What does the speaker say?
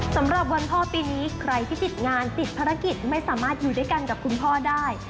สำหรับวันพ่อปีนี้ใครที่ติดงานติดภารกิจไม่สามารถอยู่ด้วยกันกับคุณพ่อได้